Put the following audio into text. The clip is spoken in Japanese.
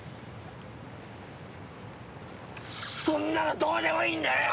そんなのどうでもいいんだよ！